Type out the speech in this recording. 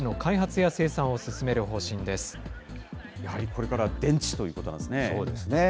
やはりこれからは電池というそうですね。